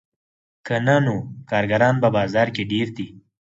که نه نو کارګران په بازار کې ډېر دي